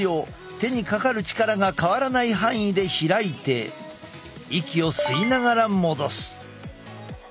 手にかかる力が変わらない範囲で開いて息を吸いながら戻す。